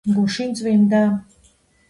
გუშინ წვიმდა